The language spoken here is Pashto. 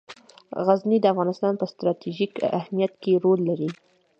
غزني د افغانستان په ستراتیژیک اهمیت کې رول لري.